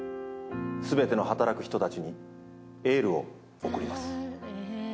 すべての働く人たちにエールを送ります。